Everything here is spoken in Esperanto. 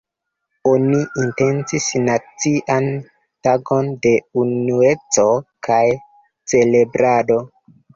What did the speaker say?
Oni intencis nacian tagon de unueco kaj celebrado.